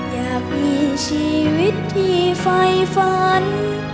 อยากมีชีวิตที่ไฟฝัน